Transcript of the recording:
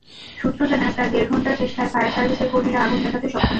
সূত্র জানায়, প্রায় দেড় ঘণ্টার চেষ্টায় ফায়ার সার্ভিসের কর্মীরা আগুন নেভাতে সক্ষম হন।